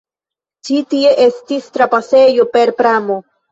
Ĉi tie estis trapasejo per pramo.